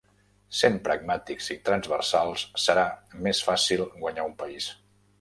Sent pragmàtics i transversals serà més fàcil guanyar un país.